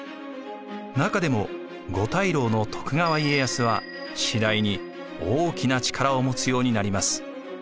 中でも五大老の徳川家康は次第に大きな力を持つようになります。